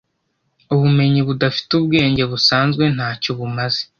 Ubumenyi budafite ubwenge busanzwe ntacyo bumaze.